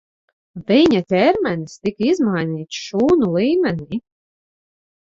Viņa ķermenis tika izmainīts šūnu līmenī.